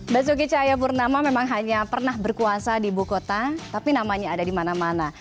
bersuki cahaya purnama memang hanya pernah berkuasa di buku kota tapi namanya ada di mana mana